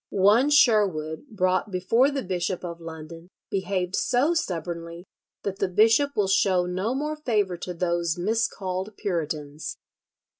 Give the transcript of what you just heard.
"One Sherwood brought before the Bishop of London behaved so stubbornly that the bishop will show no more favour to those miscalled Puritans."